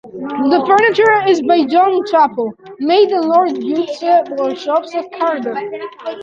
The furniture is by John Chapple, made in Lord Bute's workshops at Cardiff.